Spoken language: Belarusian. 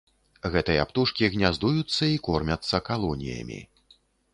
Гэтыя птушкі гняздуюцца і кормяцца калоніямі.